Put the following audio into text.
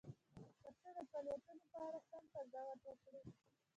ترڅو د فعالیتونو په اړه سم قضاوت وکړو.